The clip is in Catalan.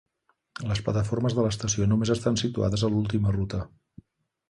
Les plataformes de l"estació només estan situades a l"última ruta.